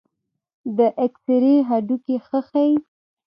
د ایکسرې هډوکي ښه ښيي.